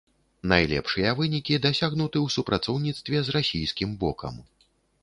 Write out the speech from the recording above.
Найлепшыя вынікі дасягнуты ў супрацоўніцтве з расійскім бокам.